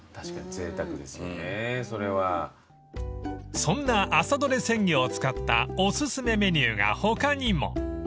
［そんな朝取れ鮮魚を使ったお薦めメニューが他にも］